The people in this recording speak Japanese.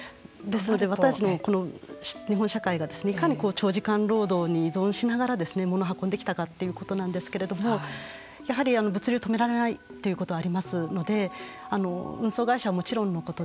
ですので私たちの日本社会がいかに長時間労働に依存しながらものを運んできたかということなんですけれどもやはり物流を止められないということがありますので運送会社はもちろんのこと